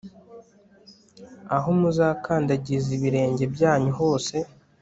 aho muzakandagiza ibirenge byanyu hose